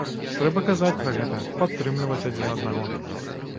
Трэба казаць пра гэта, падтрымліваць адзін аднаго.